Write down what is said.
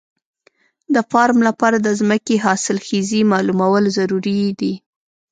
د فارم لپاره د ځمکې حاصلخېزي معلومول ضروري دي.